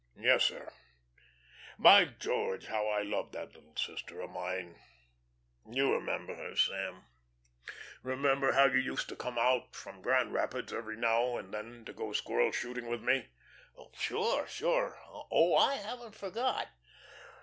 Yes, sir. By George, how I loved that little sister of mine! You remember her, Sam. Remember how you used to come out from Grand Rapids every now and then to go squirrel shooting with me?" "Sure, sure. Oh, I haven't forgot."